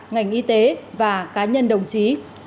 ngành y tế và cá nhân đồng chí